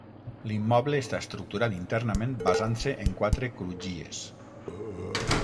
L'immoble està estructurat internament basant-se en quatre crugies.